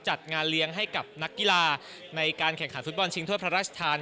จัดงานเลี้ยงให้กับนักกีฬาในการแข่งขันฟุตบอลชิงถ้วยพระราชทาน